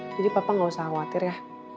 jadi papa gak usah khawatir ya